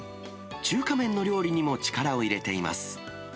中華麺の料理にも力を入れています。